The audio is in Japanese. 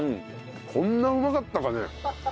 こんなうまかったかね。